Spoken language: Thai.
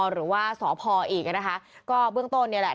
หรือว่าสอพอร์อีกนะคะก็เบื้องตรงนี้แหละ